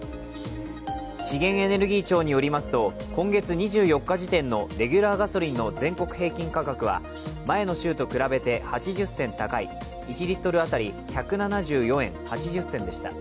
資源エネルギー庁によりますと今月２４日時点のレギュラーガソリンの全国平均価格は前の週と比べて８０銭高い１リットルあたり１７４円８０銭でした。